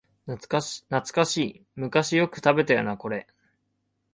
懐かしい、昔よく食べたよなこれ